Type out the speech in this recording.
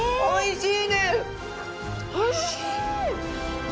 おいしい。